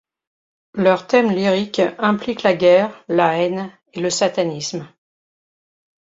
Leur thème lyrique implique la guerre, la haine et le satanisme.